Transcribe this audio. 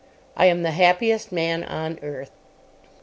I am the happiest man on earth.